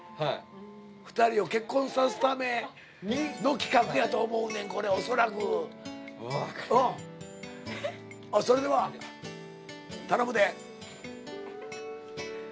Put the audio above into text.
２人を結婚さすための企画やと思うねんこれおそらく。それでは頼むで。